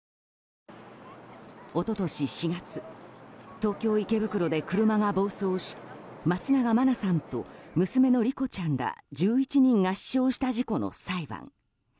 一昨年４月東京・池袋で車が暴走し松永真菜さんと娘の莉子ちゃんら１１人が死傷した事故の裁判。